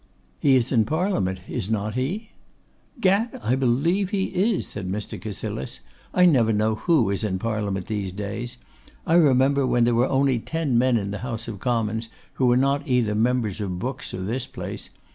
'He is in Parliament, is not he?' ''Gad, I believe he is,' said Mr. Cassilis; 'I never know who is in Parliament in these days. I remember when there were only ten men in the House of Commons who were not either members of Brookes' or this place.